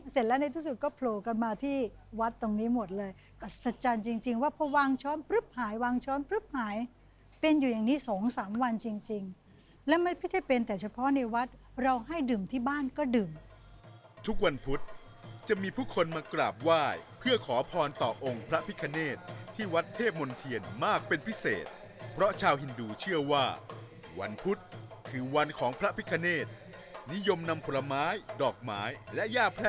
สัจจันจริงจริงว่าพอวางช้อนปรึ๊บหายวางช้อนปรึ๊บหายเป็นอยู่อย่างนี้สองสามวันจริงจริงแล้วไม่พิธีเป็นแต่เฉพาะในวัดเราให้ดื่มที่บ้านก็ดื่มทุกวันพุธจะมีผู้คนมากราบไหว้เพื่อขอพรต่อองค์พระพิฆเนตที่วัดเทพมนต์เทียนมากเป็นพิเศษเพราะชาวฮินดูเชื่อว่าวันพุธคือวันของพระ